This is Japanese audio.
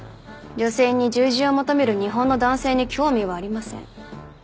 女性に従順を求める日本の男性に興味はありません。